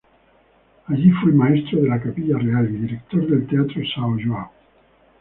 Allí fue Maestro de la Capilla Real y director del teatro São João.